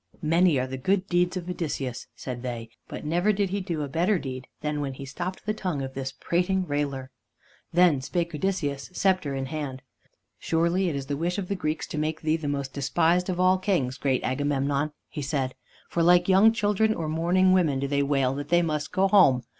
"Many are the good deeds of Odysseus," said they, "but never did he do a better deed than when he stopped the tongue of this prating railer." Then spake Odysseus, scepter in hand. "Surely it is the wish of the Greeks to make thee the most despised of all kings, great Agamemnon," he said, "for like young children or mourning women do they wail that they must go home.